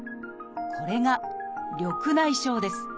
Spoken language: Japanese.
これが「緑内障」です。